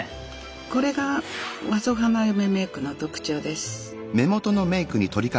これが和装花嫁メイクの特徴です。